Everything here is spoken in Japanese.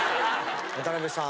渡部さん。